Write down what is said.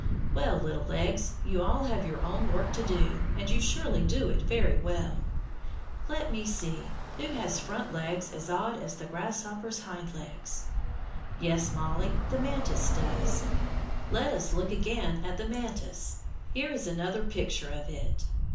Well, little legs, you all have your own work to do, and you surely do it very well. Let me see, who has front legs as odd as the grasshopper's hind legs. Yes, Mollie, the mantis has. Let us look again at the mantis. Here is another picture of it.